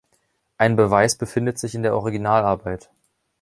Ein Beweis befindet sich in der Originalarbeit.